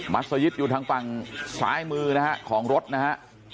สยิตอยู่ทางฝั่งซ้ายมือนะฮะของรถนะฮะ